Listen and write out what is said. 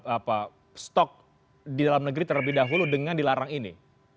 apa stok di dalam negeri terlebih dahulu dengan dilarang ini